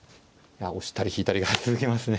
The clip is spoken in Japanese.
押したり引いたりが続きますね。